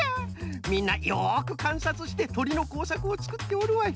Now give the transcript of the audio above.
みんなよくかんさつしてとりのこうさくをつくっておるわい。